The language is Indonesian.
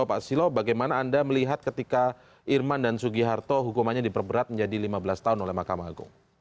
pak susilo bagaimana anda melihat ketika irman dan sugiharto hukumannya diperberat menjadi lima belas tahun oleh mahkamah agung